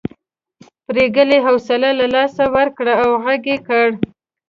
پريګلې حوصله له لاسه ورکړه او غږ یې کړ